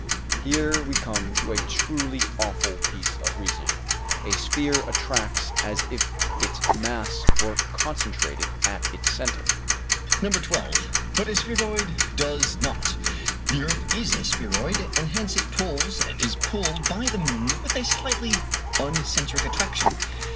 Here we come to a truly awful piece of reasoning. A sphere attracts as if its mass were concentrated at its centre (No. 12), but a spheroid does not. The earth is a spheroid, and hence it pulls and is pulled by the moon with a slightly uncentric attraction.